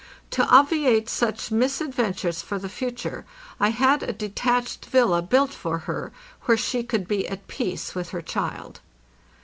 To obviate such misadventures for the future I had a detached villa built for her where she could be at peace with her child.